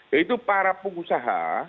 yaitu para pengusaha